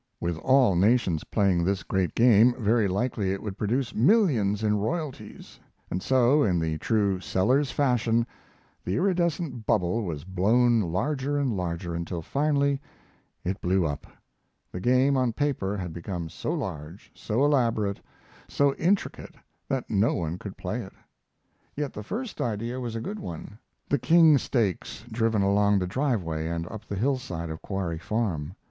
With all nations playing this great game, very likely it would produce millions in royalties; and so, in the true Sellers fashion, the iridescent bubble was blown larger and larger, until finally it blew up. The game on paper had become so large, so elaborate, so intricate, that no one could play it. Yet the first idea was a good one: the king stakes driven along the driveway and up the hillside of Quarry Farm.